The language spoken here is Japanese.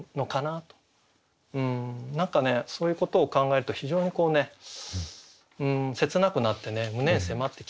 何かねそういうことを考えると非常にこう切なくなってね胸に迫ってきて。